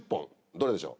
どれでしょう？